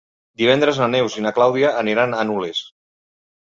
Divendres na Neus i na Clàudia aniran a Nules.